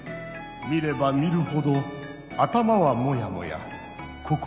見れば見るほど頭はモヤモヤ心もモヤモヤ。